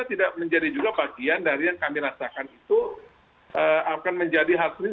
terdapat p auditory